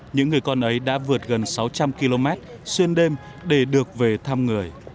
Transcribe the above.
những người con ấy đã vượt gần sáu trăm linh km xuyên đêm để được về thăm người